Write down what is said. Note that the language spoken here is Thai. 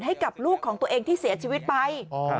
ให้กับลูกของตัวเองที่เสียชีวิตไป